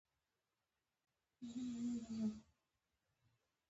روهیله مشر فیض الله خان سفیر لېږلی.